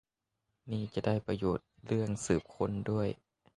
นี่จะได้ประโยชน์เรื่องสืบค้นด้วย